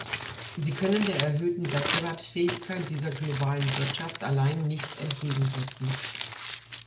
Sie können der erhöhten Wettbewerbsfähigkeit dieser globalen Wirtschaft allein nichts entgegensetzen.